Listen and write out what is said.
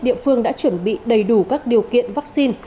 địa phương đã chuẩn bị đầy đủ các điều kiện vaccine